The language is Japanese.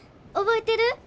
覚えてる？